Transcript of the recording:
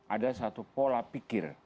ada satu pola pikir